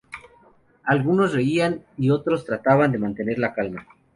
Algunos reían y otros trataban de mantener calma.